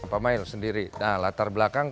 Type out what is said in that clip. pak mail sendiri nah latar belakang